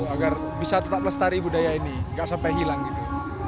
agar bisa tetap lestari budaya ini nggak sampai hilang gitu